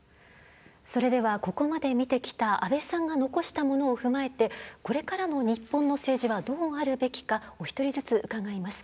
それではここまで見てきた安倍さんが残したものを踏まえてこれからの日本の政治はどうあるべきかお一人ずつ伺います。